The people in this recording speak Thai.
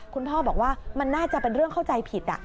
คุณพ่อบอกว่ามันน่าจะเป็นเรื่องเข้าใจผิด